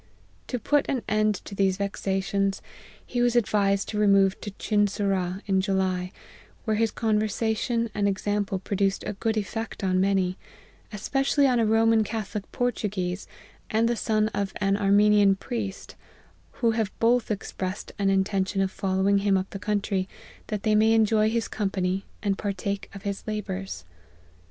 To put an end to these vexa tions, he was advised to remove to Chinsurah in July; where his conversation and example produc ed a good effect on many, especially on a Roman Catholic Portuguese, and the son of an Armenian priest, who have both expressed an intention of following him up the country, that they may enjoy his company, and partake of his labours."